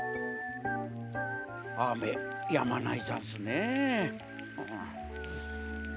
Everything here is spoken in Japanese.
あめやまないざんすねえ。